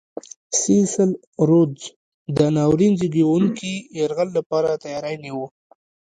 سیسل رودز د ناورین زېږوونکي یرغل لپاره تیاری نیوه.